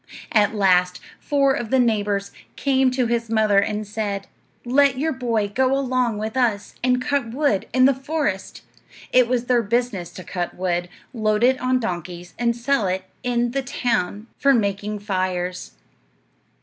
At last, four of the neighbors came to his mother and said, "Let your boy go along with us and cut wood in the forest." It was their business to cut wood, load it on donkeys, and sell it in the town for making fires.